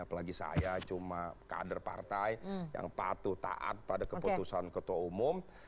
apalagi saya cuma kader partai yang patuh taat pada keputusan ketua umum